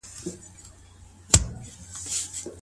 نارينه ولي د حاکم درجه لري؟